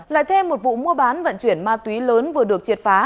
lại thêm một vụ mua bán vận chuyển ma túy lớn vừa được triệt phá